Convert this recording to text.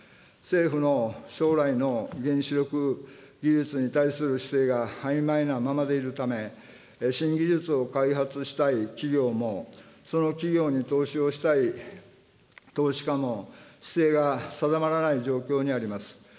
政府の将来の原子力技術に対する姿勢があいまいなままでいるため、新技術を開発したい企業も、その企業に投資をしたい投資家も、姿勢が定まらない状況にあります。